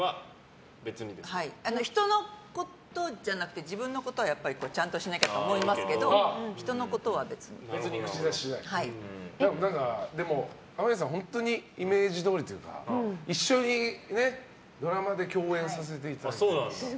人のことじゃなくて自分のことはちゃんとしなきゃと思いますけどでも、天海さんは本当にイメージどおりっていうか一緒にドラマで共演させていただいて。